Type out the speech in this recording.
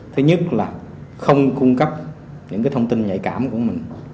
thứ nhất là không cung cấp những cái thông tin nhạy cảm của mình